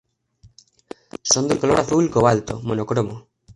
Son de color azul cobalto, monocromo.